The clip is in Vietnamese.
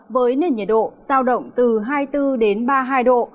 với nền nhiệt độ giao động từ hai mươi bốn đến ba mươi hai độ